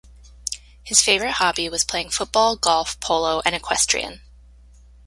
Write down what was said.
His favourite hobby was playing football, golf, polo, and equestrian.